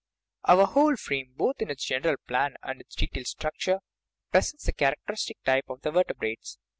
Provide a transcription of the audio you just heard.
Our whole frame, both in its general plan and its detailed structure, presents the characteristic type of the vertebrates.